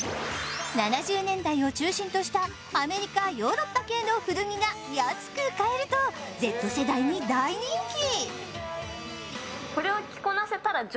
７０年代を中心としたアメリカ・ヨーロッパ系の古着が安く買えるとＺ世代に大人気。